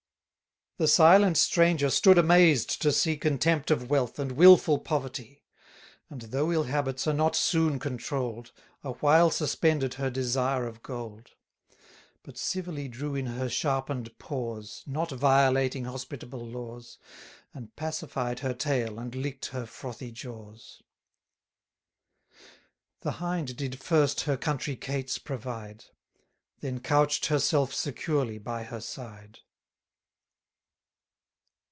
The silent stranger stood amazed to see Contempt of wealth, and wilful poverty: And, though ill habits are not soon controll'd, A while suspended her desire of gold. But civilly drew in her sharpen'd paws, Not violating hospitable laws; And pacified her tail, and lick'd her frothy jaws. 720 The Hind did first her country cates provide; Then couch'd herself securely by her side.